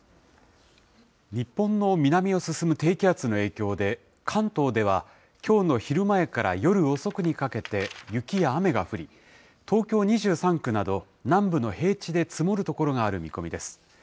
日本の南を進む低気圧の影響で、関東ではきょうの昼前から夜遅くにかけて雪や雨が降り、東京２３区など南部の平地で積もる所がある見込みです。